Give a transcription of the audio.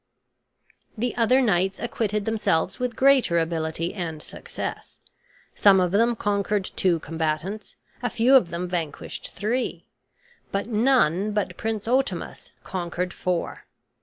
The other knights acquitted themselves with greater ability and success. Some of them conquered two combatants; a few of them vanquished three; but none but Prince Otamus conquered four.